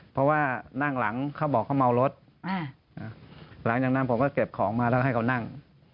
เพราะว่านั่งหลังเขาบอกเขาเมารถหลังจากนั้นผมก็เก็บของมาแล้วให้เขานั่ง